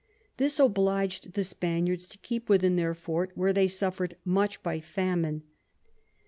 This oblig'd the Spaniards to keep within their Fort, where they suffer'd much by Famine.